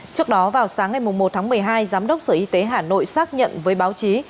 trước đó vào sáng ngày một tháng một mươi hai giám đốc sở y tế hà nội xác nhận với báo chí